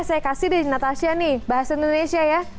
saya kasih deh natasha nih bahasa indonesia ya